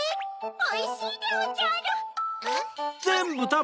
・おいしいでおじゃる・ん？